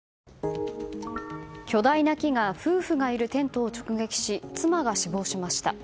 巨大な木が夫婦がいるテントを直撃し妻が死亡しました。